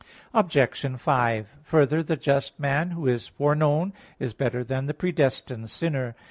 Obj. 5: Further, the just man who is foreknown is better than the predestined sinner.